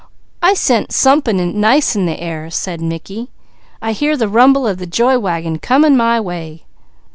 "I scent somepin' nice in the air," said Mickey. "I hear the rumble of the joy wagon coming my way."